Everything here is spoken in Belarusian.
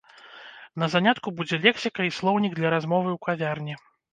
На занятку будзе лексіка і слоўнік для размовы ў кавярні.